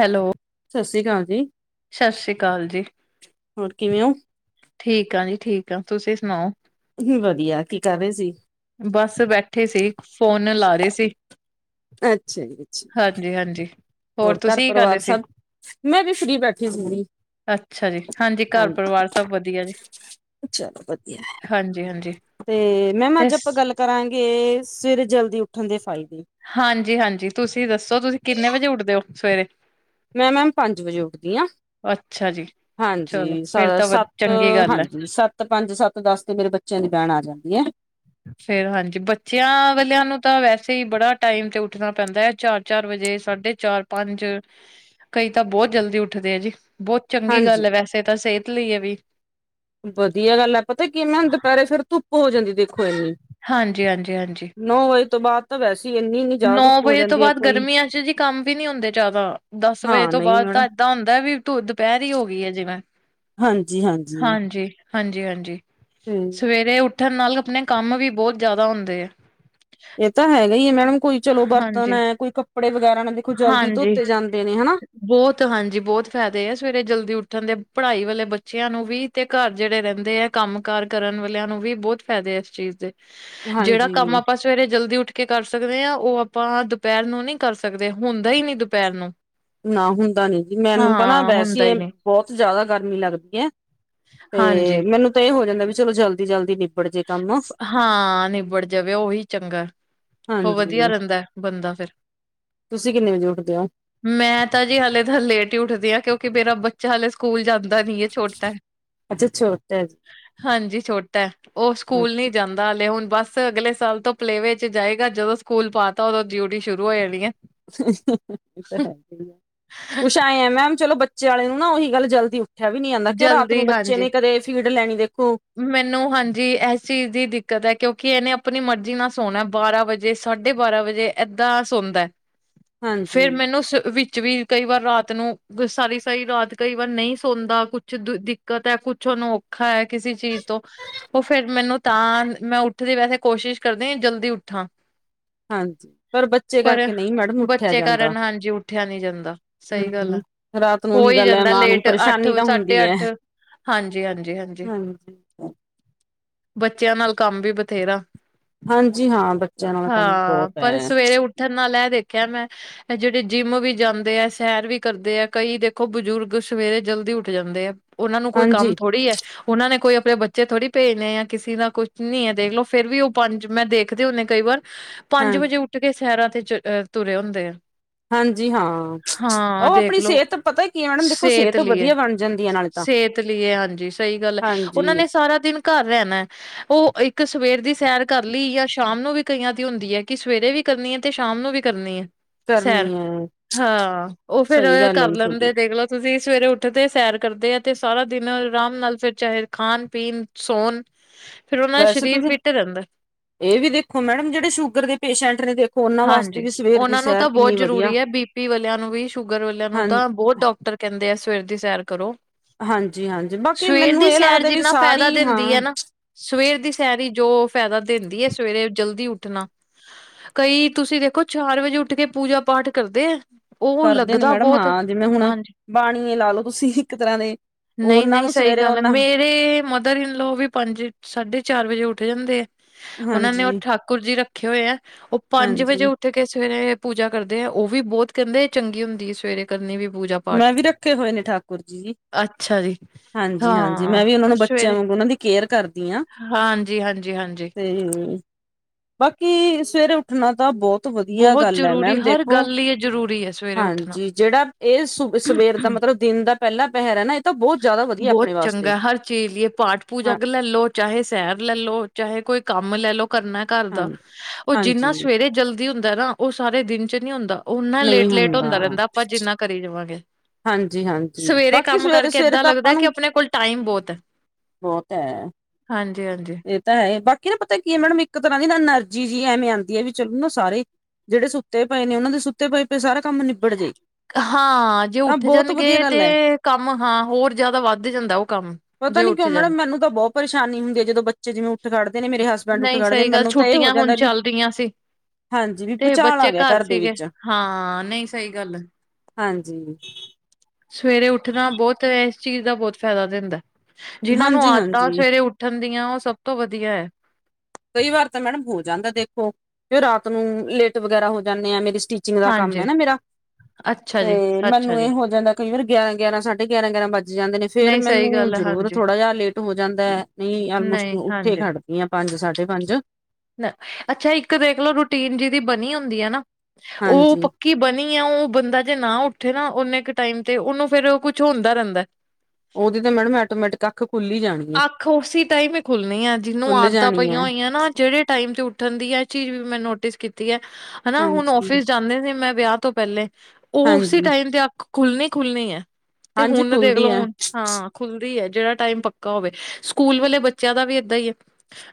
Hello ਸਤਿ ਸ੍ਰੀ ਅਕਾਲ ਜੀ ਸਤਿ ਸ੍ਰੀ ਅਕਾਲ ਜੀ, ਹੋਰ ਕਿਵੇਂ ਹੋ? ਠੀਕ ਆ ਜੀ ਠੀਕ ਆ, ਤੁਸੀਂ ਸੁਣਾਓ ਵੀ ਵਧੀਆ, ਕੀ ਕਰ ਰਹੇ ਸੀ ਬਸ ਬੈਠੇ ਸੀ, ਫੋਨ ਲਾ ਰਹੇ ਸੀ ਅੱਛਾ ਜੀ, ਅੱਛਾ ਜੀ ਏ ਹਾਂਜੀ ਹੋਰ ਘਰ ਪਰਿਵਾਰ ਸਭ ਮੈਂ ਵੀ ਫ੍ਰੀ ਬੈਠੀ ਸੀ ਹੁਣੀ, ਅੱਛਾ ਜੀ, ਘਰ ਹਾਂਜੀ ਪਰਿਵਾਰ ਸਭ ਵਧੀਆ ਜੀ, ਚਲੋ ਵਧੀਆ ਹੈ। ਹਾਂਜੀ-ਹਾਂਜੀ ਤੇ ਮੈਮ ਤੇ ਅੱਜ ਆਪਾਂ ਗੱਲ ਕਰਾਂਗੇ, ਸਵੇਰੇ ਜਲਦੀ ਉੱਠਣ ਦੇ ਫਾਈਦੇ ਹਾਂਜੀ -ਹਾਂਜੀ ਤੁਸੀਂ ਦੱਸੋ, ਤੁਸੀਂ ਕਿੰਨੇ ਵਜੇ ਉੱਠਦੇ ਹੋ ਸਵੇਰੇ ਮੈਂ ਮੈਮ ਪੰਜ ਵਜੇ ਉੱਠਦੀ ਹਾਂ ਅੱਛਾ ਜੀ ਚਲੋ ਹਾਂਜੀ, ਸ ਫੇਰ ਤਾਂ ਵ ਸੱਤ ਚੰਗੀ ਗੱਲ ਹੈ। ਹਾਂਜੀ, ਸੱਤ ਪੰਜ, ਸੱਤ ਦਸ ਤੇ ਮੇਰੇ ਬੱਚਿਆਂ ਦੀ ਵੈਨ ਆ ਜਾਂਦੀ ਹੈ ਫੇਰ ਹਾਂਜੀ, ਬੱਚਿਆਂ ਵਾਲਿਆਂ ਨੂੰ ਤਾਂ ਵੈਸੇ ਹੀ ਬੜਾ ਟਾਈਮ ਤੇ ਉੱਠਣਾ ਪੈਂਦਾ ਹੈ, ਚਾਰ- ਚਾਰ ਵਜੇ, ਸਾਢੇ ਚਾਰ -ਪੰਜ, ਕਈ ਤਾਂ ਬਹੁਤ ਜਲਦੀ ਉੱਠ ਉੱਠਦੇ ਆ ਜੀ, ਬਹੁਤ ਚੰਗੀ ਹਾਂਜੀ। ਗੱਲ ਹੈ, ਵੈਸੇ ਤਾਂ ਸਿਹਤ ਲਈ ਇਹ ਵੀ ਵਧੀਆ ਗੱਲ ਹੈ, ਪਤਾ ਕਿ ਮੈਮ ਦੁਪਹਿਰੇ ਫਿਰ ਧੁੱਪ ਹੋ ਜਾਂਦੀ ਦੇਖੋ ਇੰਨੀ ਹਾਂਜੀ -ਹਾਂਜੀ -ਹਾਂਜੀ ਨੌ ਵਜੇ ਤੋਂ ਬਾਅਦ ਤਾਂ ਵੈਸੇ ਹੀ ਇੰਨੀ ਇੰਨੀ ਜ਼ਿਆਦਾ ਨੌ ਧੁੱਪ ਹੋ ਵਜੇ ਤੋਂ ਜਾਂਦੀ ਹੈ ਬਾਅਦ ਕੋਈ, ਗਰਮੀਆਂ 'ਚ ਜੀ ਕੰਮ ਵੀ ਨੀ ਹੁੰਦੇ ਜ਼ਿਆਦਾ, ਦਸ ਵਜੇ ਹਾਂ ਤੋਂ ਨਹੀਂ ਬਾਅਦ ਮੈਡਮ, ਤਾਂ ਏਦਾਂ ਹੁੰਦਾ ਵੀ ਤ ਦੁਪਹਿਰ ਹੋ ਗਈ ਹੈ ਜਿਵੇਂ, ਹਾਂਜੀ ਹਾਂਜੀ- ਹਾਂਜੀ- ਹਾਂਜੀ ਹਮ ਸਵੇਰੇ ਉੱਠਣ ਨਾਲ ਆਪਨੇ ਕੰਮ ਵੀ ਬਹੁਤ ਜ਼ਿਆਦਾ ਹੁੰਦੇ ਆ ਇਹ ਤਾਂ ਹੈਗਾ ਹੀ ਹੈ, ਮੈਡਮ ਕੋਈ ਚਲੋ ਬਰਤਨ ਹਾਂਜੀ, ਹੈ, ਕੋਈ ਕੱਪੜੇ ਵਗੈਰਾ ਨਾ ਦੇਖੋ ਜਲਦੀ ਹਾਂਜੀ। ਧੋਤੇ ਜਾਂਦੇ ਨੇ ਹਨਾ ਬਹੁਤ ਹਾਂਜੀ, ਬਹੁਤ ਫਾਇਦੇ ਆ ਸਵੇਰੇ ਜਲਦੀ ਉੱਠਣ ਦੇ ਪੜ੍ਹਾਈ ਵਾਲੇ ਬੱਚਿਆਂ ਨੂੰ ਵੀ ਤੇ ਘਰ ਜਿਹੜੇ ਰਹਿੰਦੇ ਆ, ਕੰਮ ਕਾਰ ਕਰਨ ਵਾਲਿਆਂ ਨੂੰ ਵੀ ਬਹੁਤ ਫਾਇਦੇ ਆ ਇਸ ਚੀਜ਼ ਦੇ ਜਿਹੜਾ ਹਾਂਜੀ ਕੰਮ ਆਪਾਂ ਸਵੇਰੇ ਜਲਦੀ ਉੱਠ ਕੇ ਕਰ ਸਕਦੇ ਹਾਂ, ਉਹ ਆਪਾਂ ਦੁਪਹਿਰ ਨੂੰ ਨੀ ਕਰ ਸਕਦੇ, ਹੁੰਦਾ ਹੀ ਨੀ ਦੁਪਹਿਰ ਨੂੰ ਨਾ ਹੁੰਦਾ ਨੀ ਜੀ, ਮੈਨੂੰ ਤਾਂ ਨਾ ਹਾਂ ਹੁੰਦਾ ਵੈਸੇ ਹੀ ਨੀ। ਬਹੁਤ ਜਿਆਦਾ ਗਰਮੀ ਲੱਗਦੀ ਹੈ, ਹਾਂਜੀ, ਤੇ ਮੈਨੂੰ ਇਹ ਹੋ ਜਾਂਦਾ ਵੀ ਚਲੋ ਜਲਦੀ- ਜਲਦੀ ਨਿਬੜ ਜੇ ਕੰਮ ਹਾਂ, ਨਿਬੜ ਜਾਵੇ ਉਹੀ ਚੰਗਾ ਉਹ ਵਧੀਆ ਹਾਂਜੀ ਰਹਿੰਦਾ, ਬੰਦਾ ਫਿਰ ਤੁਸੀਂ ਕਿੰਨੇ ਵਜੇ ਉੱਠਦੇ ਹੋ ਮੈਂ ਤਾਂ ਜੀ ਹਾਲੇ ਤਾਂ ਲੇਟ ਹੀ ਉਠਦੀ ਹਾਂ, ਕਿਉਂਕਿ ਮੇਰਾ ਬਾ 'ਚ ਹਾਲੇ ਸਕੂਲ ਜਾਂਦਾ ਨੀ ਛੋਟਾ, ਅੱਛਾ ਛੋਟਾ ਜੀ ਹਾਂਜੀ ਛੋਟਾ ਉਹ ਸਕੂਲ ਅੱਛਾ ਨਹੀ ਜਾਂਦਾ ਹਲੇ, ਹੁਣ ਬਸ ਅਗਲੇ ਸਾਲ ਤੋਂ ਪਲੇ ਵਿਚ ਜਾਏਗਾ ਜਦੋਂ ਸਕੂਲ ਪਾਤਾ ਉਦੋਂ ਡਿਊਟੀ ਸ਼ੁਰੂ ਹੋ ਜਾਣੀ ਹੈ ਹੈ ਕੁਛ ਆਏ ਆ ਮੈਮ ਚਲੋ ਬੱਚੇ ਵਾਲੇ ਨੂੰ ਨਾ ਉਹੀ ਗੱਲ ਜਲਦੀ ਉਠਿਆ ਵੀ ਨਹੀਂ ਜਾਂਦਾ, ਕਿਉ ਰਾਤ ਨੂੰ ਜਲਦੀ ਬੱਚੇ ਨੇ ਹਾਂਜੀ। ਕਦੇ ਫੀਡ ਲੈਣੀ ਦੇਖੋ ਮੈਨੂੰ ਹਾਂਜੀ ਇਸ ਚੀਜ਼ ਦੀ ਦਿੱਕਤ ਹੈ, ਕਿਉਂਕਿ ਇਹਨੇ ਆਪਣੀ ਮਰਜ਼ੀ ਨਾਲ ਸੋਣਾ ਬਾਰਾਂ ਵਜੇ ਜੇ ਸਾਢੇ ਬਾਰਾਂ ਵਜੇ ਏਦਾਂ ਸੌਦਾ ਹਾਂਜੀ ਫੇਰ ਮੈਨੂੰ, ਵਿੱਚ ਵਿੱਚ ਵੀ ਕਈ ਵਾਰ ਰਾਤ ਨੂੰ, ਸਾਰੀ- ਸਾਰੀ ਰਾਤ ਕਈ ਵਾਰ ਨਹੀਂ ਸੌਦਾ ਕੁਛ ਦਿੱਕਤ ਹੈ, ਕੁਛ ਅਨੋਖਾ ਹੈ ਕਿਸੇ ਚੀਜ਼ ਤੋਂ ਉਹ ਫਿਰ ਮੈਨੂੰ ਤਾਂ, ਮੈਂ ਉੱਠਦੀ ਵੈਸੇ ਕੋਸ਼ਿਸ਼ ਕਰਦੀ, ਜਲਦੀ ਉੱਠਾਂ ਹਾਂਜੀ ਪਰ ਬੱਚੇ ਪਰ, ਕਰਕੇ ਨਹੀਂ ਮੈਡਮ ਉੱਠਿਆ ਬੱਚੇ ਜਾਂਦਾ ਕਾਰਨ ਹਾਂਜੀ ਉਠਿਆ ਨਹੀਂ ਜਾਂਦਾ, ਸਹੀ ਗੱਲ ਹੂੰ, ਆ ਰਾਤ ਨੂੰ ਹੋ ਉਹੀ ਹੀ ਗੱਲ ਹੈ ਜਾਂਦਾ ਮਾਂ ਨੂੰ ਲੇਟ ਅੱਠ ਪਰੇਸ਼ਾਨੀ ਤਾਂ ਸਾਡੇ ਹੁੰਦੀ ਤੇ ਹੈ। ਅੱਠ ਹਾਂਜੀ-ਹਾਂਜੀ-ਹਾਂਜੀ। ਹਾਂਜੀ। ਬੱਚਿਆਂ ਨਾਲ ਕੰਮ ਵੀ ਬਥੇਰਾ ਹਾਂਜੀ ਹਾਂ ਬੱਚਿਆਂ ਨਾਲ ਕੰਮ ਬਹੁਤ ਹੈ। ਥਰ ਨਾਲ ਲੈ ਇਹ ਦੇਖਿਆ ਮੈਂ ਇਹ ਜਿਹੜੇ ਜਿੰਮ ਵੀ ਜਾਂਦੇ ਹੈ ਸੈਰ ਵੀ ਕਰਦੇ ਆ ਕਈ ਦੇਖੋ ਬਜ਼ੁਰਗ ਸਵੇਰੇ ਜਲਦੀ ਉਠ ਉਠ ਜਾਂਦੇ ਆ ਉਹਨਾ ਨੂੰ ਕੋਈ ਹਾਂਜੀ ਕੰਮ ਥੋੜ੍ਹੀ ਐ ਉਹਨਾਂ ਨੇ ਕੋਈ ਆਪਣੇ ਬੱਚੇ ਥੋੜ੍ਹੀ ਭੇਜਣੇ ਆ ਕਿਸੇ ਦਾ ਕੁਛ ਨੀ ਹੈ ਦੇਖਲੋ ਫਿਰ ਵੀ ਉਹ ਪੰਜ ਮੈਂ ਦੇਖਦੀ ਹੁੰਦੀ ਕਈ ਵਾਰ ਹਾਂ ਪੰਜ ਵਜੇ ਉਠ ਕੇ ਸੈਰਾਂ ਤੇ ਤੁਰੇ ਹੁੰਦੇ ਆ। ਹਾਂਜੀ ਹਾਂ [inaudible] ਹਾਂ ਉਹ ਆਪਣੀ ਦੇਖਲੋ ਸਿਹਤ ਪਤਾ ਕੀ ਮੈਡਮ ਦੇਖੋ ਸਿਹਤ ਲਈ ਏ। ਵਧੀਆ ਬਣਦ ਸਿਹਤ ਲਈ ਹੈ ਹਾਂਜੀ ਸਹੀ ਗੱਲ ਹੈ ਹਾਂਜੀ ਉਹਨਾਂ ਨੇ ਸਾਰਾ ਦਿਨ ਘਰ ਰਹਿਨਾ। ਉਹ ਇੱਕ ਸਵੇਰ ਦੀ ਸੈਰ ਕਰ ਲਈ ਜਾਂ ਸ਼ਾਮ ਨੂੰ ਵੀ ਕਈਆਂ ਦੀ ਹੁੰਦੀ ਹੈ ਕਿ ਸਵੇਰੇ ਵੀ ਕਰਨੀ ਹੈ ਤੇ ਸ਼ਾਮ ਨੂੰ ਵੀ ਕਰਨੀ ਹੈ। ਸੈਰ ਕਰਨੀ ਹੈ ਹਾਂ ਉਹ ਫਿਰ ਸਹੀ ਗੱਲ ਹੈ ਕਰ ਜੀ ਲੈਂਦੇ ਤੁਹਾਡੀ ਦੇਖ ਲਓ। ਤੁਸੀਂ ਸਵੇਰੇ ਉਠਦੇ ਸੈਰ ਕਰਦੇ ਆ ਤੇ ਸਾਰਾ ਦਿਨ ਆਰਾਮ ਨਾਲ ਫਿਰ ਚਾਹੇ ਖਾਣ ਪੀਣ ਸੌਣ ਫੇਰ ਉਹ ਦਾ ਵੈਸੇ ਸਰੀਰ ਤੁਸੀਂ ਫਿੱਟ ਰਹਿੰਦਾ। ਇਹ ਵੀ ਦੇਖੋ ਮੈਡਮ ਜਿਹੜੇ ਸ਼ੂਗਰ ਦੇ ਪੇਸ਼ੈਂਟ ਨੇ ਦੇਖੋ ਉਹਨਾਂ ਵਾਸਤੇ ਹਾਂਜੀ ਵੀ ਸਵੇਰ ਦੀ ਉਹਨਾਂ ਨੂੰ ਸੈਰ ਤਾਂ ਬਹੁਤ ਕਿੰਨੀ ਵਧੀਆ ਜ਼ਰੂਰੀ ਹੈ ਬੀ ਪੀ ਵਾਲਿਆਂ ਨੂੰ ਵੀ ਸ਼ੂਗਰ ਵਾਲਿਆਂ ਨੂੰ ਹਾਂ ਤਾਂ ਬਹੁਤ ਡਾਕਟਰ ਕਹਿੰਦੇ ਆ ਸਵੇਰ ਦੀ ਸੈਰ ਕਰੋ। ਹਾਂਜੀ ਹਾਂਜੀ ਬਾਕੀ ਸਵੇਰ ਮੈਨੂੰ ਦੀ ਇਹ ਸੈਰ ਲੱਗਦਾ ਵੀ ਜਿੰਨਾ ਫਾਇਦਾ ਸਾਰੀ ਦਿੰਦੀ ਹਾਂ ਹੈ ਨਾ। ਸਵੇਰ ਦੀ ਸੈਰ ਈ ਜੋ ਫਾਇਦਾ ਦਿੰਦੀ ਹੈ ਸਵੇਰੇ ਜਲਦੀ ਉਠਣਾ ਕਈ ਤੁਸੀਂ ਦੇਖੋ ਚਾਰ ਵਜੇ ਉਠ ਕੇ ਪੂਜਾ ਪਾਠ ਕਰਦੇ ਆ। ਕਰਦੇ ਨੇ ਮੈਡਮ ਹਾਂ ਜਿਵੇਂ ਹੁਣ ਹਾਂਜੀ ਬਾਣੀ ਏ ਲਾ ਲੋ ਤੁਸੀਂ ਇੱਕ ਤਰ੍ਹਾਂ ਦੇ ਨਹੀਂ- ਉਹਨਾਂ ਨਹੀਂ ਨੂੰ ਸਹੀ ਸਵੇਰੇ ਗੱਲ ਹੈ ਉਹਨਾਂ ਮੇਰੇ ਮਦਰ ਇਨਲਾ ਵੀ ਪੰਜ ਸਾਢੇ ਚਾਰ ਵਜੇ ਉੱਠ ਜਾਂਦੇ ਆ। ਉਹਨਾਂ ਨੇ ਉਹ ਹਾਂਜੀ ਠਾਕੁਰ ਜੀ ਰੱਖੇ ਹੋਏ ਆ ਉਹ ਪੰਜ ਹਾਂਜੀ ਵਜੇ ਥ ਸਵੇਰੇ ਪੂਜਾ ਕਰਦੇ ਆ ਉਹ ਵੀ ਬਹੁਤ ਕਹਿੰਦੇ ਚੰਗੀ ਹੁੰਦੀ ਹੈ ਸਵੇਰੇ ਕਰਨੀ ਵੀ ਪੂਜਾ ਪਾਠ ਮੈਂ ਵੀ ਰੱਖੇ ਹੋਏ ਨੇ ਠਾਕੁਰ ਜੀ। ਅੱਛਾ ਜੀ ਹਾਂਜੀ- ਹਾਂਜੀ ਹਾਂ ਮੈਂ ਵੀ ਉਹ ਨੂੰ ਬੱਚਿਆਂ ਵਾਂਗ ਉਹਨਾਂ ਦੀ ਕੇਅਰ ਕਰਦੀ ਹਾਂ। ਹਾਂਜੀ-ਹਾਂਜੀ-ਹਾਂਜੀ। ਤੇ ਬਾਕੀ ਸਵੇਰੇ ਉਠਣਾ ਤਾਂ ਬਹੁਤ ਵਧੀਆ ਬਹੁਤ ਗੱਲ ਹੈ ਜ਼ਰੂਰੀ ਮੈਮ ਹਰ ਦੇਖੋ ਗੱਲ ਲਈ ਇਹ ਜ਼ਰੂਰੀ ਹੈ ਸਵੇਰੇ ਉੱਠਣਾ। ਹਾਂਜੀ ਜਿਹੜਾ ਇਹ ਸ ਸਵੇਰ ਦਾ ਮਤਲਬ ਦਿਨ ਦਾ ਪਹਿਲਾ ਪਹਿਰ ਹੈ ਨਾ। ਤਾਂ ਬਹੁਤ ਜ਼ਿਆਦਾ ਵਧੀਆ ਬਹੁਤ ਆਪਣੇ ਵਾਸਤੇ ਚੰਗਾ ਹਰ ਚੀਜ਼ ਲਈ ਪਾਠ ਹਾਂ ਪੂਜਗ ਲੈ ਲੋ ਚਾਹੇ ਸੈਰ ਲੈ ਲੋ ਚਾਹੇ ਕੋਈ ਕੰਮ ਲੈ ਲਓ ਕਰਨਾ। ਘਰ ਦਾ ਹਾਂਜੀ ਉਹ ਹਾਂਜੀ ਜਿੰਨਾ ਸਵੇਰੇ ਜਲਦੀ ਹੁੰਦਾ ਨਾ ਉਹ ਸਾਰੇ ਦਿਨ 'ਚ ਨਹੀਂ ਹੁੰਦਾ। ਉਨਾ ਲੇਟ-ਲੇਟ ਹੁੰਦਾ ਰਹਿੰਦਾ ਆਪਾਂ ਜਿੰਨਾ ਕਰੀ ਜਾਵਾਂਗੇ। ਹਾਂਜੀ-ਹਾਂਜੀ ਸਵੇਰੇ ਬਾਕੀ ਕੰਮ ਸਵੇਰੇ ਕਰਕੇ ਸਵੇਰੇ ਏਦਾਂ ਤਾਂ ਆਪਾਂ ਲੱਗਦਾ ਕਿ ਨੂੰ ਆਪਣੇ ਕੋਲ ਟਾਈਮ ਬਹੁਤ ਹੈ ਬਹੁਤ ਹੈ ਹਾਂਜੀ-ਹਾਂਜੀ। ਇਹ ਤਾਂ ਹੈ ਬਾਕੀ ਨਾ ਪਤਾ ਕੀ ਮੈ ਇੱਕ ਤਰ੍ਹਾਂ ਦੀ ਨਾ ਐਨਰਜੀ ਜਿਹੀ ਐਵੇਂ ਆਂਦੀ ਹੈ ਵੀ ਚੱਲੋ ਨਾ ਸਾਰੇ ਜਿਹੜੇ ਸੁੱਤੇ ਪਏ ਨੇ ਉਹ ਦੇ ਸੁੱ ਹਾਂ ਜੇ ਤਾਂ ਉਠ ਬਹੁਤ ਵਧੀਆ ਜਾਣਗੇ ਤੇ ਗੱਲ ਹੈ ਕੰਮ ਹਾਂ ਹੋਰ ਜਿਆਦਾ ਵੱਧ ਜਾਂਦਾ ਉਹ ਕੰਮ ਪਤਾ ਜੇ ਨਹੀਂ ਉੱਠ ਕਿਉਂ ਜਾਣ ਮੈਡਮ ਮੈਨੂੰ ਤਾਂ ਬਹੁਤ ਪਰੇਸ਼ਾਨੀ ਹੁੰਦੀ ਹੈ ਜਦੋਂ ਬੱਚੇ ਜਿਵੇਂ ਉੱਠ ਖੜਦੇ ਨੇ ਮੇਰੇ ਹਸਬੰਡ ਉੱਠ ਨਹੀਂ ਖੜਦੇ ਨੇ ਸਹੀ ਗੱਲ ਮੈਨੂੰ ਤਾਂ ਇਹ ਹੋ ਛੁੱਟੀਆਂ ਹੁਣ ਜਾਂਦਾ ਵੀ ਚੱਲ ਰਹੀਆਂ ਸੀ। ਹਾਂਜੀ ਵੀ ਤੇ ਭੁਚਾਲ ਆ ਬੱਚੇ ਗਿਆ ਘਰ ਦੇ ਸੀਗੇ ਵਿੱਚ ਹਾਂ ਨਹੀਂ ਸਹੀ ਗੱਲ ਹੈ। ਹਾਂਜੀ ਸਵੇਰੇ ਉਠਣਾ ਬਹੁਤ ਇਸ ਚੀਜ਼ ਦਾ ਬਹੁਤ ਫਾਇਦਾ ਦਿੰਦਾ ਜਿਹਨਾਂ ਨੂੰ ਹਾਂਜੀ ਆਦਤਾਂ ਹਾਂਜੀ ਸਵੇਰੇ ਉਠ ਠੰਡੀਆਂ ਉਹ ਸਭ ਤੋਂ ਵਧੀਆ ਕਈ ਵਾਰ ਤਾਂ ਮੈਡਮ ਹੋ ਜਾਂਦਾ ਦੇਖੋ ਕਿ ਰਾਤ ਨੂੰ ਲੇਟ ਵਗੈਰਾ ਹੋ ਜਾਂਦੇ ਆ ਮੇਰੀ ਸਟੀਚ ਜਿੰਦਾ ਕੰਮ ਹੈ ਹਾਂਜੀ ਨਾ। ਮੇਰਾ ਅੱਛਾ ਤੇ ਜੀ ਅੱਛਾ ਮੈਨੂੰ ਜੀ ਇਹ ਹੋ ਜਾਂਦਾ। ਕਈ ਵਾਰ ਗਿਆਰਾਂ- ਗਿਆਰਾਂ ਸਾਢੇ ਗਿਆਰਾਂ ਗਿਆਰਾਂ ਮੈਂ। ਜਾਂਦੇ ਨੇ। ਫੇਰ ਨਹੀਂ ਸਹੀ ਮੈਨੂੰ ਗੱਲ ਹੈ ਜ਼ਰੂਰ ਹਾਂਜੀ ਥੋੜਾ ਜਿਹਾ ਲੇਟ ਹੋ ਜਾਂਦਾ। ਨਹੀਂ ਆਲਮੋਸਟ ਉੱਠੇ ਖੜ ਇਆ ਪੰਜ ਸਾਢੇ ਪੰਜ ਆ। ਅੱਛਾ। ਇੱਕ ਦੇਖ ਲਓ ਰੂਟੀਨ ਜਿਹਦੀ ਬਣੀ ਹੁੰਦੀ ਹੈ। ਨਾ ਉਹ ਹਾਂਜੀ ਪੱਕੀ ਕੀ ਬਣੀ ਆ। ਉਹ ਬੰਦਾ ਜੇ ਨਾ ਉੱਠੇ ਨਾ ਨੇ ਕੁ ਟਾਈਮ ਤੇ। ਉਹਨੂੰ ਫੇਰ ਕੁਛ ਹੁੰਦਾ ਰਹਿੰਦਾ। ਉਹਦੀ ਤਾਂ ਮੈਡਮ ਐਟੋਮੈਟਿਕ ਅੱਖ ਖੁੱਲ੍ਹ ਜਾਣੀ। ਹੈ ਅੱਖ ਉਸੇ ਟਾਈਮ ਹੀ ਖੁੱਲਣੀ ਆ। ਜਿਹਨੂੰ ਖੁੱਲ ਆਦਾਂ ਜਾਣੀ ਪਈਆਂ ਹੈ ਹੋਈਆਂ ਨਾ ਜਿਹੜੇ ਟਾਈਮ ਚ। ਉੱਠਣ ਦੀ ਹੈ ਚੀਜ਼ ਵੀ ਮੈਂ ਨੋਟਿਸ ਕੀਤੀ ਹੈ। ਹਨਾ ਹੁਣ ਹਾਂਜੀ ਫਿਸ ਜਾਂਦੇ ਸੀ ਮੈਂ ਵਿਆਹ ਤੋਂ ਪਹਿਲੇ। ਉਹ ਉਸੇ ਹਾਂਜੀ ਟਾਈਮ ਤੇ ਅ ਖੁੱਲਣੀ- ਖੁੱਲਣੀ ਹੈ ਤੇ ਹਾਂਜੀ ਹੁਣ ਖੁੱਲਦੀ ਦੇਖਲੋ ਹੈ ਹੁਣ ਹਾਂ। ਖੁੱਲਦੀ ਹੈ। ਜਿਹੜਾ ਟਾਈਮ ਪੱਕਾ ਹੋਵੇ ਸਕੂਲ ਵਾਲੇ ਬੱਚਿਆਂ ਦਾ ਵੀ ਏਦਾਂ ਹੀ ਹੈ।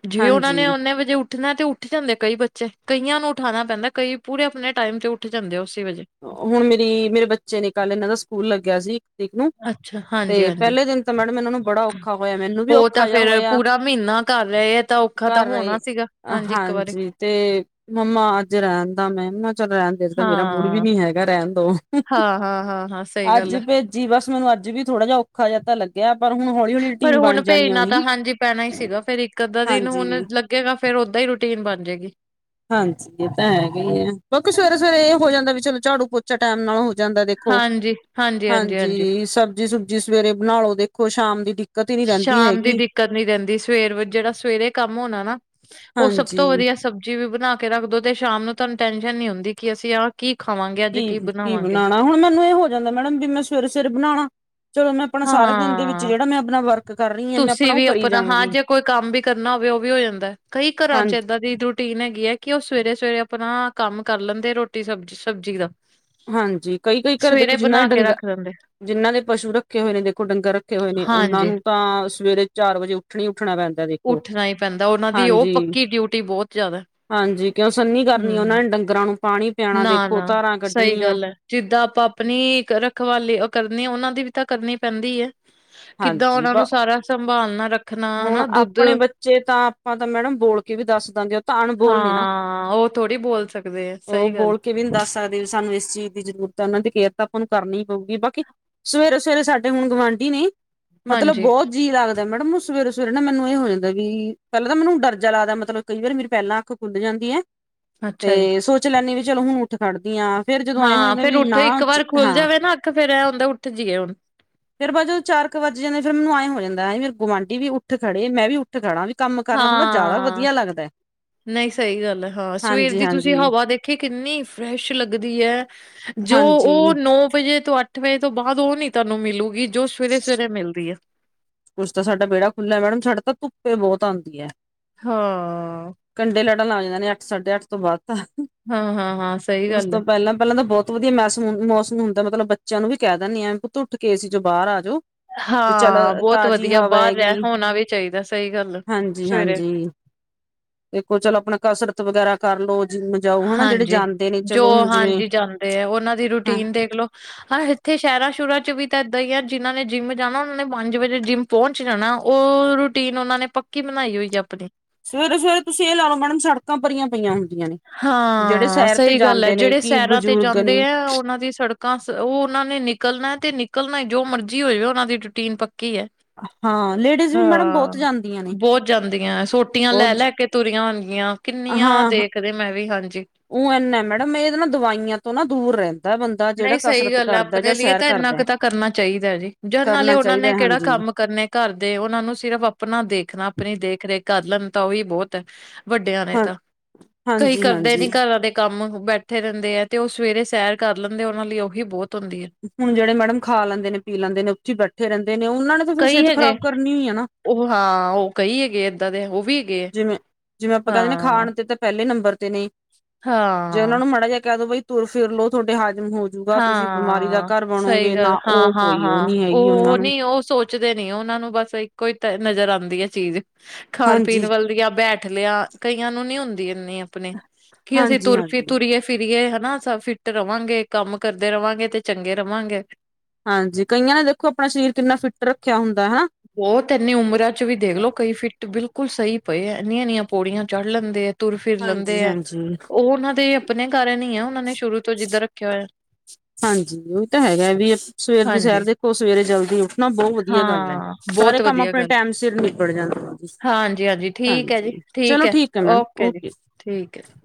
ਜੇ ਉਹਨਾਂ ਹਾਂਜੀ ਨੇ ਓਨੇ ਵੱਜੇ ਉੱਠਣਾ। ਉੱਠਣਾ ਤੇ ਉੱਠ ਜਾਂਦੇ ਕਈ ਬੱਚੇ ਕਈਆਂ ਨੂੰ ਉਠਾਉਣਾ ਪੈਂਦਾ। ਕਈ ਪੂਰੇ ਆਪਣੇ ਟਾਈਮ ਤੇ ਉੱਠ ਜਾਂਦੇ ਆ ਉਸੇ ਵੇਲੇ। ਹੁਣ ਮੇਰੀ ਮੇਰੇ ਬੱਚੇ ਨੇ ਕੱਲ ਇਹਨਾਂ ਦਾ ਸਕੂਲ ਲੱਗਿਆ ਸੀ। ਇੱਕ ਨੂੰ ਅੱਛਾ ਹਾਂਜੀ ਤੇ ਹਾਂਜੀ ਪਹਿਲੇ ਦਿਨ ਤਾਂ ਮੈਡਮ ਇਹਨਾਂ ਨੂੰ ਬੜਾ ਔਖਾ ਹੋਇਆ ਮੈਨੂੰ ਵੀ ਉਹ ਤਾਂ ਔਖਾ ਜਿਹਾ ਫੇਰ ਹੋਇਆ। ਪੂਰਾ ਮਹੀਨਾ ਕਰ ਰਹੇ ਆ ਤਾਂ ਔਖਾ ਤਾਂ ਘਰ ਆਈ। ਹੋਣਾ ਸੀਗਾ ਇੱਕ ਵਾਰੀ ਹਾਂਜੀ। ਤੇ ਮੰਮਾ। ਜੇ ਰਹਿੰਦਾ ਮੈਂ ਨਾ ਚੱਲ ਰਹਿੰਦੇ ਮੇਰਾ। ਮੁੜ ਵੀ ਹਾਂ ਨੀ ਹੈਗਾ ਰਹਿਣ ਦੋ ਹਾਂ, ਹਾਂ, ਹਾਂ, ਹਾਂ ਸਹੀ ਅੱਜ ਗੱਲ ਐ। ਭੇਜੀ। ਜੀ ਬਸ ਮੈਨੂੰ ਵੀ ਥੋੜਾ ਜਿਹਾ ਔਖਾ ਜਹਾ ਲੱਗਿਆ। ਪਰ ਹੁਣ ਹੌਲੀ- ਹੌਲੀ। ਪਰ ਰੂਟੀਨ ਹੁਣ ਬਣ ਜਾਣੀ ਆ ਭੇਜਣਾ ਤਾਂ ਉਹੀ ਹਾਂਜੀ ਪੈਣਾ ਹੀ ਸੀਗਾ। ਫਿਰ ਇੱਕ ਅੱਧਾ ਦਿਨ ਹੁਣ ਹਾਂਜੀ ਲੱਗੇਗਾ ਫੇਰ ਓਦਾਂ ਹੀ ਰੂਟੀਨ ਬਣ ਜਾਏਗੀ। ਹਾਂਜੀ ਇਹ ਤਾਂ ਹੈਗਾ ਹੀ ਹੈ ਕਿ ਸਵੇਰੇ- ਸਵੇਰੇ। ਹੋ ਜਾਂਦਾ ਵੀ ਚਲੋ। ਝਾੜੂ ਪੋਚਾ ਟਾਈਮ ਨਾਲ ਹੋ ਜਾਂਦਾ ਦੇਖੋ ਹਾਂਜੀ ਸਬਜ਼ੀ- ਸੁਬਜੀ। ਜੀ ਸਵੇਰੇ ਬਣਾਲੋ ਦੇਖੋ ਸ਼ਾਮ ਦੀ। ਦਿੱਕਤ ਹੀ ਨੀ ਰਹਿੰਦੀ ਸ਼ਾਮ ਦੀ ਹੈਗੀ ਦਿੱਕਤ ਨੀ ਰਹਿੰਦੀ। ਸਵੇਰ ਜਿਹੜਾ ਸਵੇਰੇ ਕੰਮ ਹੋਣਾ ਨਾ। ਉਹ ਸਭ ਤੋਂ ਹਾਂਜੀ ਵਧੀਆ ਸਭ। ਜਿਵੇਂ ਬਣਾ ਕੇ ਰੱਖ ਦੋ। ਤੇ ਸ਼ਾਮ ਨੂੰ ਤੁਹਾਨੂੰ ਟੈਸ਼ਨ ਨੀ ਹੁੰਦੀ। ਕਿ ਅਸੀਂ ਆਹ ਕੀ ਖਾਵਾਂਗੇ ਅੱਜ ਕੀ ਬਣਾਵਾਂਗੇ। ਹੁਣ ਮੈਨੂੰ ਇਹ ਹੋ ਜਾਂਦਾ ਮੈਡਮ ਵੀ ਮੈਂ ਸਵੇਰੇ ਸਵੇਰੇ ਬਣਾਉਣਾ। ਚਲੋ ਮੈਂ ਆਪਣਾ ਸਾਰੇ ਦਿਨ ਦੇ ਵਿੱਚ ਹਾਂ, ਜਿਹੜਾ ਮੈਂ ਆਪਣਾ ਵਰਕ ਕਰ ਰਹੀ। ਹਾਂ ਮੈਂ ਆਪਣਾ ਤੁਸੀਂ ਉਹ ਵੀ ਕਰੀ ਜਾ। ਹਾਂ ਜੇ ਕੋਈ ਕੰਮ ਵੀ ਕਰਨਾ ਹੋਵੇ ਉਹ ਵੀ ਹੋ ਜਾਂਦਾ। ਕਈ ਘਰਾਂ ਚ ਹਾਂਜੀ ਇੱਦਾਂ ਦੀ ਰੋਟੀਨ ਹੈਗੀ ਹੈ। ਕਿ ਉਹ ਸਵੇਰੇ - ਸਵੇਰੇ ਆਪਣਾ ਕੰਮ ਕਰ ਲੈਂਦੇ ਰੋਟੀ ਸਬਜ਼ੀ ਦਾ। ਹਾਂਜੀ ਕਈ- ਕਈ ਘਰ ਦੇਖੋ ਸਵੇਰੇ ਜਿੰਨਾ ਇਹ ਬਣਾ ਕੇ ਡੰਗ। ਰੱਖ ਦਿੰਦੇ। ਜਿਹਨਾਂ ਦੇ ਪਸ਼ੂ ਰੱਖੇ ਹੋਏ ਨੇ। ਦੇਖੋ ਡੰਗਰ ਰੱਖੇ ਹੋਏ ਨੇ ਉਹਨਾਂ ਹਾਂਜੀ, ਨੂੰ ਤਾਂ ਸਵੇਰੇ ਚਾਰ ਵੱਜੇ ਉੱਠ ਹੀ ਉੱਠਣਾ ਪੈਂਦਾ। ਦੇਖੋ ਉੱਠਣਾ ਹੀ ਪੈਂਦਾ। ਉਹਨਾਂ ਦੀ ਉਹ ਹਾਂਜੀ ਪੱਕੀ ਡਿਊਟੀ ਬਹੁਤ ਜ਼ਿਆਦਾ। ਹਾਂਜੀ ਕਿਉਂ ਸੰਨੀ ਕਰਨੀ। ਹੂੰ। ਉਹਨਾ ਨੇ ਡੰਗਰਾਂ ਨੂੰ ਪਾਣੀ ਪਿਆਉਣਾ ਦੇਖੋ ਨਾ-ਨਾ। ਧਾਰਾਂ ਕੱਢਣੀਆਂ। ਸਹੀ ਗੱਲ ਐ, ਜਿੱਦਾਂ ਆਪਾਂ ਆਪਣੀ ਰਖਵਾਲੇ ਕਰਨੀ ਆਂ। ਉਹਨਾਂ ਦੀ ਵੀ ਤਾਂ ਕਰਨੀ ਪੈਂਦੀ ਹੈ। ਕਿੱਦਾਂ ਹਾਂਜੀ ਉਹਨਾ ਨੂੰ ਬ ਸਾਰਾ ਸੰਭਾਲਣਾ ਰੱਖ। ਹੁਣ ਆਪਣੇ ਬੱਚੇ ਤਾਂ ਆਪਾਂ ਤਾਂ ਮੈਡਮ ਬੋਲ ਕੇ ਵੀ ਦੱਸ ਦਿੰਦੇ ਆ। ਤਾਂ ਅਣਬੋਲ ਨੇ ਨਾ। ਹਾਂ ਉਹ ਥੋੜ੍ਹੀ ਬੋਲ ਸਕਦੇ ਹੈ। ਉਹ ਬੋਲ ਕੇ ਵੀ ਨੀ ਦੱਸ ਸਕਦੇ ਵੀ। ਸਾਨੂੰ ਇਸ ਚੀਜ਼ ਦੀ ਜ਼ਰੂਰਤ ਹੈ। ਉਹਨਾਂ ਦੀ ਕੇਅਰ ਤਾਂ ਆਪਾਂ ਨੂੰ ਕਰਨੀ ਪਊਗੀ ਬਾਕੀ‌। ਸਵੇਰੇ- ਸਵੇਰੇ ਸਾਡੇ ਹੁਣ ਗੁਵਾਂਢੀ ਨੇ ਮਤਲਬ ਹਾਂਜੀ, ਬਹੁਤ ਜੀਅ ਲੱਗਦਾ ਮੈਡਮ। ਸਵੇਰੇ ਸਵੇਰੇ ਨਾ ਮੈਨੂੰ ਇਹ ਹੋ ਜਾਂਦਾ ਵੀ। ਪਹਿਲਾਂ ਤਾਂ ਮੈਨੂੰ ਡਰ ਜਾ ਲੱਗਦਾ ਮਤਲਬ ਕਈ ਵਾਰ ਮੇਰੀ ਪਹਿਲਾਂ ਅੱਖ ਖੁੱਲ ਜਾਂਦੀ ਹੈ। ਅੱਛਾ ਜੀ। ਤੇ ਸੋਚ ਲੈਂਨੀ ਵੀ ਚਲੋ ਹੁਣ। ਉਠ ਖੜਦੀਆਂ ਫੇਰ ਜਦੋਂ ਐਏਂ ਹੋ ਹਾਂ ਜਾਂਦਾ ਫੇਰ ਵੀ। ਉੱਠ ਨਾ ਇੱਕ ਵਾਰ ਖੁੱਲ ਹਾਂ ਜਾਵੇ ਨਾ ਅੱਖ ਫੇਰ ਐ ਹੁੰਦਾ ਉੱਠ ਜੀਏ ਹੁਣ ਫੇਰ ਬਾਜੋਂ ਚਾਰ ਕ ਵੱਜ ਜਾਂਦੇ। ਫੇਰ ਮੈਨੂੰ ਐਏਂ ਹੋ ਜਾਂਦਾ ਹੈ। ਮੇਰੇ ਗੁਆਂਡੀ ਵੀ ਉਠ ਖੜੇ। ਮੈਂ ਵੀ ਉਠ। ਖੜਾ ਵੀ ਕੰਮ ਕਰਨਾ ਥੋੜਾ ਜਾਦਾ ਵਦੀਆ ਲੱਗਦੈ। ਨਈ ਸਈ ਗਾਲ ਐ। ਹਾਂ ਸਵੇਰ ਦੀ ਤੂਸੀ ਹਾਂਜੀ ਹਵਾ ਦੇਖੀ ਕਿੰਨੀ ਫਰੈਸ਼ ਲੱਗਦੀ ਐ। ਜੋ ਹਾਂਜੀ ਓ ਨੌ ਵਜੇ ਤੋਂ, ਅੱਠ ਵਜੇ ਤੋਂ ਬਾਦ ਓ ਨੀ ਤੂਆਨੂੰ ਮਿਲੂਗੀ। ਜੋ ਸਵੇਰੇ - ਸਵੇਰੇ ਮਿਲਦੀ ਐ। ਕੁਛ ਤਾ ਸਾਡਾ ਬੇੜਾ ਖੁੱਲੈ। ਮੈਡਮ ਸਾਡੇ ਤਾਂ ਧੁੱਪੇ ਬੋਤ ਆਂਦੀ ਐ। ਹਾਂ। ਕੰਢੇ ਲੜਨ ਲਾ ਜਾਂਦਾ ਨੇ ਅੱਠ -ਸਾਢੇ ਅੱਠ ਤੋਂ ਬਾਅਦ ਤਾਂ, ਹਾਂ-ਹਾਂ-ਹਾਂ ਸਹੀ ਉਸ ਗੱਲ ਹੈ। ਤੋਂ ਪਹਿਲਾਂ- ਪਹਿਲਾਂ ਤਾਂ ਬਹੁਤ ਬਹੁਤ ਵਧੀਆ ਮੌਸ ਮੌਸਮ ਹੁੰਦਾ ਮਤਲਬ ਬੱਚਿਆਂ ਨੂੰ ਵੀ ਕਹਿ ਦਿੰਦੀ ਐ ਪੁੱਤ ਉੱਠ ਅਸੀਂ ਜੋ ਬਾਹਰ ਆ ਜਾਓ। ਵੀ ਚੱਲ ਹਾਂ। ਬਹੁਤ ਤਾਜ਼ੀ ਵਧੀਆ, ਹਵਾ ਬਾਹਰ ਰਹਿ ਹੈਗੀ ਹੋਣਾ ਵੀ ਚਾਹੀਦਾ ਸਹੀ ਗੱਲ, ਸਵੇਰੇ। ਹੂ, ਦੇਖੋ ਚਲੋ ਆਪਣਾ ਕਸਰਤ ਵਗੈਰਾ ਕਰਲੋ, ਜਿੰਮ ਜਾਓ, ਹਨਾ। ਜਿਹੜੇ ਹਾਂਜੀ ਜਾਂਦੇ ਨੇ, ਜੋ ਚੱਲੋ ਹੁਣ ਜਿਵੇਂ ਹਾਂਜੀ ਜਾਂਦੇ ਹੈ ਉਹਨਾਂ ਦੀ ਹਾਂ। ਰੂਟੀਨ ਦੇਖਲੋ ਹਾਂ, ਇੱਥੇ ਸ਼ਹਿਰਾਂ ਸ਼ਰਾਂ ਚ' ਵੀ ਤਾਂ ਇਏਦਾਂ ਹੀ ਆ ਜਿਹਨਾਂ ਨੇ ਜਿੰਮ ਜਾਣਾ ਉਹਨਾਂ ਨੇ ਪੰਜ ਵੱਜੇ ਜਿੰਮ ਪਹੁੰਚ ਜਾਣਾ। ਉਹ ਰੂਟੀਨ ਉਹਨਾਂ ਨੇ ਪੱਕੀ ਬਣਾਈ ਹੋਈ ਹੈ ਆਪਣੀ। ਸਵੇਰੇ -ਸਵੇਰੇ ਤੁਸੀਂ ਇਹ ਲਾ ਲਓ ਮੈਡਮ ਸੜਕਾਂ ਭਰੀਆਂ ਪਈਆਂ ਹੁੰਦੀਆਂ ਨੇ। ਜਿਹੜੇ ਹਾਂ, ਸੈਰ ਤੇ ਸਹੀ ਗੱਲ ਹੈ, ਜਾਂਦੇ ਨੇ ਜਿਹੜੇ ਕਿ ਸੈਰਾਂ ਤੇ ਬਜ਼ੁਰਗ ਜਾਂਦੇ ਨੇ ਆ, ਉਹਨਾਂ ਦੀ ਸੜਕ ਉਹ, ਉਹਨਾਂ ਨੇ ਨਿਕਲਣਾ ਤੇ ਨਿਕਲਣਾ ਹੀ ਜੋ ਮਰਜ਼ੀ ਹੋ ਜਾਵੇ ਉਹਨਾਂ ਦੀ ਰੂਟੀਨ ਪੱਕੀ ਹੈ। ਹਾਂ ਲੇਡੀਜ਼ ਵੀ ਮੈਡਮ ਹਾਂ, ਬਹੁਤ ਜਾਂਦੀਆਂ ਨੇ ਬੋਤ ਜਾਂਦੀਆਂ ਸੋਟੀਆਂ ਲੈ, ਬਹੁਤ ਲੈ ਕੇ ਤੂਰੀਆਂ ਹੋਨਗੀਆਂ, ਕਿੰਨੀਆਂ ਦੇਖਦੇ ਮੈਂ ਵੀ, ਹਾਂਜੀ। ਉ ਏੱਨਾ ਮੈਡਮ, ਏਹ ਨਾ ਦਵਾਈਆਂ ਤੋਂ ਨਾ ਦੂਰ ਰੈਂਦਾ ਬੰਦਾ। ਜਿਹੜਾ ਨਈ ਸਈ ਕਸਰਤ ਗਾਲ ਐ, ਕਰਦਾ ਅਪਨੇ ਜਾਂ ਲੀਏ ਸੈਰ ਤਾਂ ਇੰਨਾ ਕਰਦਾ। ਕ ਤਾਂ ਕਰਨਾ ਚਾਈਦਾ ਜੀ, ਜ ਨਾਲੇ ਕਰਨਾ ਓਨਾਂ ਚਾਹੀਦਾ ਨੇ ਕੈੜਾ ਹਾਂਜੀ ਕੰਮ ਕਰਨੇ। ਘਾਰਦੇ, ਓਨਾਂ ਨੂੰ ਸਿਰਫ਼ ਅਪਨਾ ਦੇਖਨਾ, ਅਪਨੀ ਦੇਖ- ਰੇਖ ਕਾਰ ਲੈਨ ਤਾਂ ਓਹੀ ਬੋਤ ਐ। ਵੱਡੇਆਂ ਨੇ ਹਾਂ ਤਾਂ, ਕਈ ਹਾਂਜੀ ਕਰਦੇ ਹਾਂਜੀ। ਨੀ ਘਰਾਂ ਦੇ ਕੰਮ ਬੈਠੇ ਰੇਂਦੇ ਐ, ਤੇ ਓ ਸਵੇਰੇ ਸੈਰ ਕਾਰ ਲੈਂਦੇ, ਓਨਾਂ ਲਈ ਓਹੀ ਬੋਤ ਹੁੰਦੀ ਐ। ਹੁਣ ਜੇੜੇ ਮੈਡਮ ਖਾ ਲੈਂਦੇ ਨੇ, ਪੀ ਲੈਂਦੇ ਨੇ, ਉਥੇ ਈ ਬੈਠੇ ਰੈਂਦੇ ਨੇ, ਉਨਾਂ ਨੇ ਤਾਂ ਫੇਰ ਸੇਹਤ ਖਰਾਬ ਕਰਨੀ ਹੈ ਨਾ। ਓ ਹਾਂ, ਓ ਕਈਂ ਹੈਗੇ ਏਦਾਂ ਦੇ, ਓ ਵੀ ਹੈਗੇ ਆ। ਜਿਵੇਂ, ਜਿਵੇਂ ਅਪਾਂ ਕੈਂਦੇ ਨਾ ਹਾਂ। ਖਾਣ ਤੇ, ਤੇ ਪ੍ਹੈਲੇ ਨੰਬਰ ਤੇ ਨੇ। ਜੇ ਓਨਾਂ ਹਾਂ ਨੂੰ ਮਾੜਾ ਜਾ ਕੈਹ ਦੋ, ਬਈ ਤੁਰ ਫਿਰ ਲੋ, ਤੂਆਡੇ ਹਾਜਮ ਹੋਜੁ ਹਾਂ ਸਈ ਗਾਲ ਹਾਂ, ਉਹ ਹਾਂ, ਕੋਈ ਉਹ ਹਾਂ ਨੀ ਹੈਗੀ ਉਹਨਾਂ ਓ ਨੂੰ ਨਈ ਓ ਸੋਚ ਪੁੱਚਦੇ ਨਈ, ਓਨਾਂ ਨੂੰ ਬਸ ਇੱਕੋ ਈ ਤੇ ਨਜਰ ਆਂਦੀ ਐ ਚੀਜ, ਖਾਣ- ਪੀਣ ਹਾਂਜੀ ਵਲ ਦੀਆਂ ਬੈ ਠ ਨੇਆ, ਕਈਆਂ ਨੂੰ ਨੀ ਹੁੰਦੀ ਇੰਨੀ ਅਪਨੀ, ਕੀ ਅਸੀ ਹਾਂਜੀ ਤੁਰ ਫਿ, ਤੂਰੀ ਹਾਂਜੀ। ਤੂਰੀਏ। ਫਿਰੀਏ ਹਨਾ, ਸ ਫਿੱਟ ਰਵਾਂਗੇ, ਕੰਮ ਕਰਦੇ ਰਵਾਂਗੇ, ਤੇ ਚੰਗੇ ਰਵਾਂਗੇ। ਹਾਂਜੀ ਕਈਆਂ ਨੇ ਦੇਖੋ ਅਪਣਾ ਸ਼ਰੀਰ ਕਿੰਨਾ ਫਿੱਟ ਰੱਖੇਆ ਹੁੰਦਾ, ਹਣਾ ਬੋਤ ਏਨੀ ਉਮਰਾਂ ਚ' ਵੀ ਦੇਖਲੋ, ਕਈ ਫਿੱਟ ਬਿਲਕੁਲ ਸਈ ਪਏ ਏ, ਐੱਨੀਆਂ- ਐੱਨੀਆਂ ਪੌੜੀਆਂ ਚੜ ਲੈਂਦੇ ਐ। ਤੁਰ- ਫਿਰ ਲਂਦੇ ਹਾਂਜੀ ਐ, ਹਾਂਜੀ। ਓ ਓਨਾਂ ਦੇ ਅਪਣੇ ਕਾਰਨ ਈ ਐ ਓਨਾਂ ਨੇ ਸ਼ੁਰੂ ਤੋਂ ਜਿੱਦਾਂ ਰੱਖੇਆ ਹੋਏਆ। ਹਾਂਜੀ। ਉਈਂ ਤਾ ਹੈਗਾ ਵੀ, ਸਵੇਰ ਦੀ ਹਾਂਜੀ ਸੈਰ ਦੇਖੋ, ਸਵੇਰੇ ਜਲਦੀ ਉੱਠਣਾ ਬਹੁਤ ਵਧੀਆ ਗੱਲ ਹੈ। ਹਾਂ ਸਾਰੇ ਬਹੁਤ ਕੰਮ ਵਧੀਆ ਅਪਨੇ ਗੱਲ ਟੈਮ ਸਿਰ ਨਿਪੜ ਜਾਂਦੇ ਆ ਜੀ, ਹਾਂਜੀ ਹਾਂਜੀ ਠੀਕ ਹੈ ਹਾਂਜੀ, ਜੀ ਚਲੋ ਠੀਕ ਹੈ ਮੈਡਸ। ਓਕੇ ਠੀਕ ਹੈ ਜੀ।